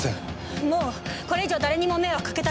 もうこれ以上誰にも迷惑かけたくないんです。